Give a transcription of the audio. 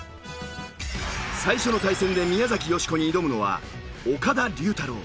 最初の対戦で宮崎美子に挑むのは岡田龍太郎。